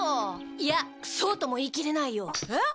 いやそうとも言いきれないよ。え？